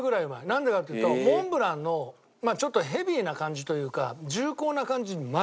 なんでかっていうとモンブランのちょっとヘビーな感じというか重厚な感じ全くない。